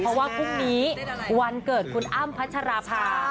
เพราะว่าพรุ่งนี้วันเกิดคุณอ้ำพัชราภา